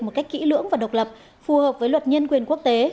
một cách kỹ lưỡng và độc lập phù hợp với luật nhân quyền quốc tế